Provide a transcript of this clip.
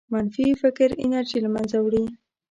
منفي فکر انرژي له منځه وړي.